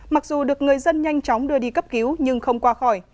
mặc dù được người dân nhanh chóng đưa đi cấp cứu nhưng không qua khỏi